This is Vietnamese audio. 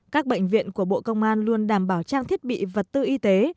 các bệnh viện của bộ công an luôn đảm bảo trang thiết bị vật tư y tế